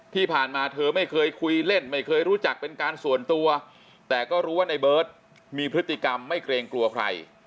ที่ผ่านมาเธอไม่เคยคุยเล่นไม่เคยรู้จักเป็นการส่วนตัวแต่ก็รู้ว่าในเบิร์ตมีพฤติกรรมไม่เกรงกลัวใคร